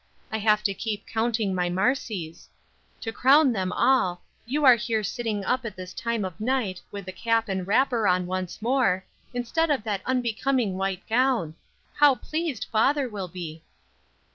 I have to keep 'counting my marcies.' To crown them all, here you are sitting up at this time of night, with a cap and wrapper on once more, instead of that unbecoming white gown; how pleased father will be!"